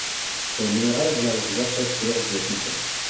Ur nwiɣ ara ad d-yaweḍ wass ad ttruɣ sdat n ḥedd.